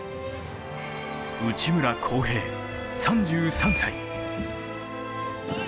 内村航平、３３歳。